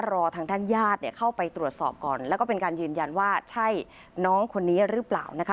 รอทางด้านญาติเนี่ยเข้าไปตรวจสอบก่อนแล้วก็เป็นการยืนยันว่าใช่น้องคนนี้หรือเปล่านะคะ